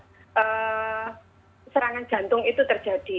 yang membuat serangan jantung itu terjadi